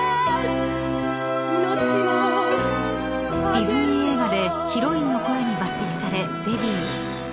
［ディズニー映画でヒロインの声に抜てきされデビュー］